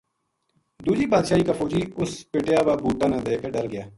دوجی بادشاہی کا فوجی اس پٹیا وا بوٹا نا دیکھ کے ڈر گیا